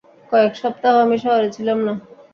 কয়েক সপ্তাহ আমি শহরে ছিলাম না।